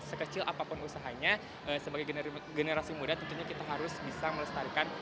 sekecil apapun usahanya sebagai generasi muda tentunya kita harus bisa melestarikan